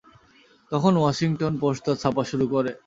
তখন Washington Post তা ছাপা শুরু করে।